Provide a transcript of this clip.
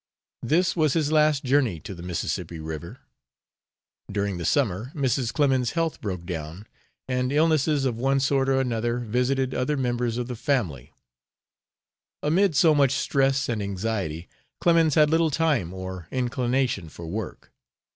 This was his last journey to the Mississippi River. During the summer Mrs. Clemens's health broke down and illnesses of one sort or another visited other members of the family. Amid so much stress and anxiety Clemens had little time or inclination for work.